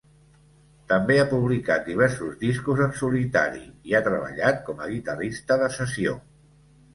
També ha publicat diversos discos en solitari i ha treballat com a guitarrista de sessió.